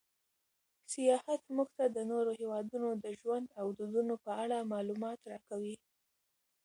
سیاحت موږ ته د نورو هېوادونو د ژوند او دودونو په اړه معلومات راکوي.